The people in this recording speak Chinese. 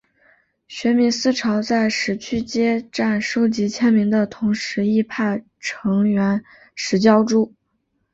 学民思潮在十区街站收集签名的同时亦派成员拾胶珠。